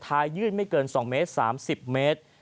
ยื่นไม่เกิน๒เมตร๓๐เมตร